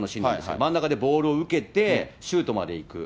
真ん中でボールを受けて、シュートまでいく。